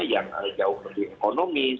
yang jauh lebih ekonomis